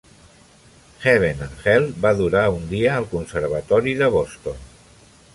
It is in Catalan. "Heaven and Hell" va durar un dia al conservatori de Boston.